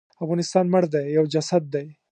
افغانستان مړ دی یو جسد دی.